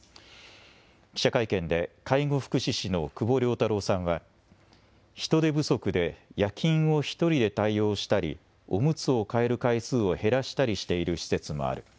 記者会見で介護福祉士の久保遼太郎さんは人手不足で夜勤を１人で対応したり、おむつを替える回数を減らしたりしている施設もある。